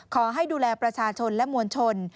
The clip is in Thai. ขอให้ดูแลประชาชนและมวลชน